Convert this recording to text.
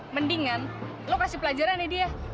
mendingan lo kasih pelajaran nih dia